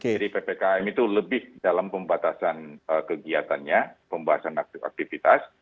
jadi ppkm itu lebih dalam pembatasan kegiatannya pembatasan aktivitas